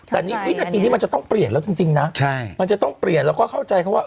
แต่นี่วินาทีนี้มันจะต้องเปลี่ยนแล้วจริงนะมันจะต้องเปลี่ยนแล้วก็เข้าใจเขาว่า